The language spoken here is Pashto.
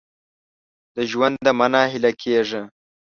د ژونده مه نا هیله کېږه !